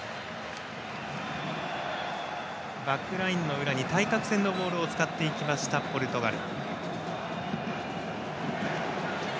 バックラインの裏に対角線のボールを使っていきましたポルトガル。